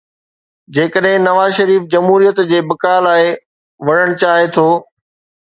جيڪڏهن نواز شريف جمهوريت جي بقاءَ لاءِ وڙهڻ چاهي ٿو.